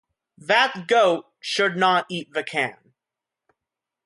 That goat should not eat the can.